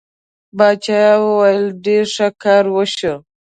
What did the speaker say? باچا وویل ډېر ښه کار وشو.